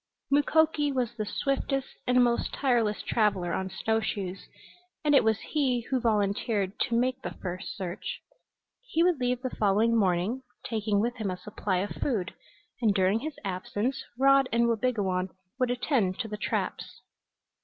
Mukoki was the swiftest and most tireless traveler on snow shoes, and it was he who volunteered to make the first search. He would leave the following morning, taking with him a supply of food, and during his absence Rod and Wabigoon would attend to the traps.